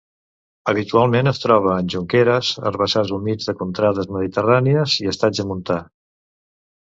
Habitualment es troba en jonqueres, herbassars humits de contrades mediterrànies i estatge montà.